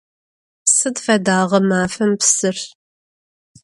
Sıd feda ğemafem psır?